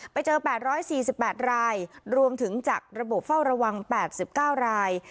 ๘๔๘รายรวมถึงจากระบบเฝ้าระวัง๘๙ราย